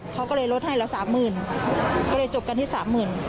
เขาก็เลยลดให้ละ๓หมื่นก็เลยจบกันที่๓หมื่น